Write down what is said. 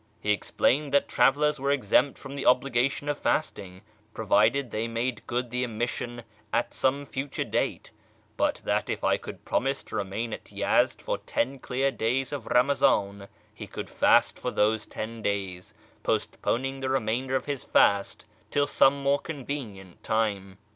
He ex plained that travellers were exempt from the obligation of fasting, provided they made good the omission at some future date ; but that if I could promise to remain at Yezd for ten clear days of Eamazan, he could fast for those ten days, postponing the remainder of his fast till some more convenient time.